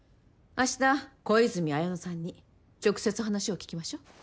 あした小泉文乃さんに直接話を聞きましょう。